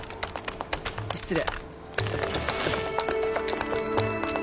失礼。